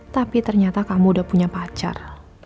tapi ternyata kamu udah punya pacar